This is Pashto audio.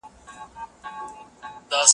زه باید کار وکړم!.